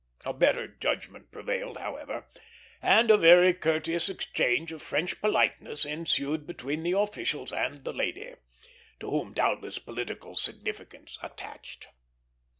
A better judgment prevailed, however, and a very courteous exchange of French politeness ensued between the officials and the lady, to whom doubtless political significance attached.